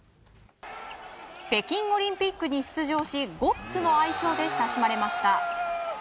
北京オリンピックに出場しゴッツの愛称で親しまれました。